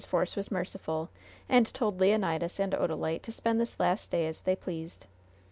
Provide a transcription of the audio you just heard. Force was merciful, and told Leonidas and Odalite to spend this last day as they pleased.